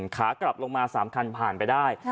ขากลับลงมา๓คันผ่านไปได้